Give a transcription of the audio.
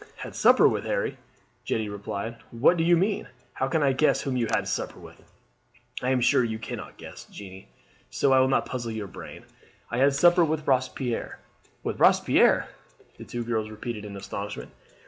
"Had supper with, Harry!" Jeanne repeated. "What do you mean? How can I guess whom you had supper with?" "I am sure you cannot guess, Jeanne, so I will not puzzle your brain. I had supper with Robespierre." "With Robespierre!" the two girls repeated in astonishment.